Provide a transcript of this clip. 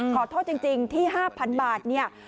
ขอโทษจริงที่๕๐๐๐บาท